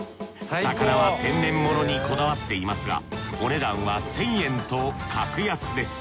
魚は天然物にこだわっていますがお値段は１，０００円と格安です。